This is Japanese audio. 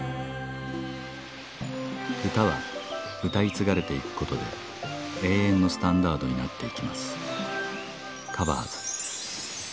歌は歌い継がれていくことで永遠のスタンダードになっていきます